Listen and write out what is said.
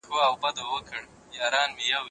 او ورته وده ورکول دي.